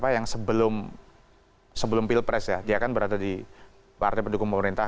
yang sebelum pilpres ya dia kan berada di partai pendukung pemerintah